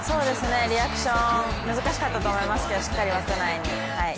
リアクション、難しかったと思いますけどしっかり枠内に。